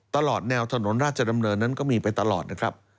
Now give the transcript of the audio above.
ตลอดแนวถนนราชดำเนินนั้นก็มีไปตลอดนะครับ